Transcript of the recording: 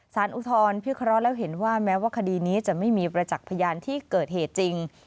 อุทธรณพิเคราะห์แล้วเห็นว่าแม้ว่าคดีนี้จะไม่มีประจักษ์พยานที่เกิดเหตุจริง